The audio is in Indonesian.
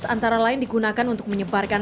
antara lain digunakan untuk menyebarkan